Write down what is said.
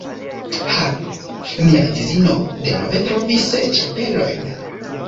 Ha, mia edzino denove trovis ĉapelojn